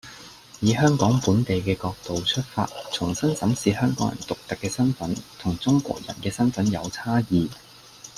以香港本地嘅角度出發，重新審視香港人獨特嘅身份，同中國人嘅身份有差異